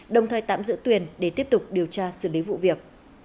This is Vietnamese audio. đồng thời tạm giữ tuyền để tiếp tục điều tra xử lý vụ việc